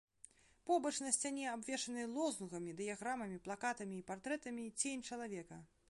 Побач на сцяне, абвешанай лозунгамі, дыяграмамі, плакатамі і партрэтамі, цень чалавека.